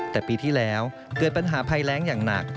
แต่ปีที่แล้วเกิดปัญหาภัยแรงอย่างหนัก